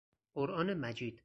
قرآن مجید